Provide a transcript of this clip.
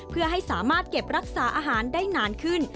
เพื่อให้สามารถเก็บรักษาอาหารได้นานขึ้น